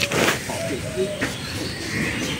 保惠司主事。